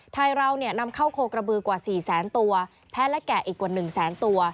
ไทยเรานำเข้าโคกระบือกว่า๔แสนตัวแพ้และแกะอีกกว่า๑แสนตัว